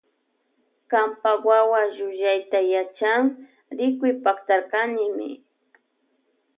Kanpa wawa llullayta yachan rikuypaktarkanimi.